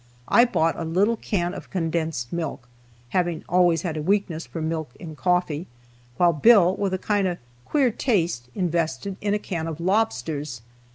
I bought a little can of condensed milk, (having always had a weakness for milk in coffee,) while Bill, with a kind of queer taste, invested in a can of lobsters.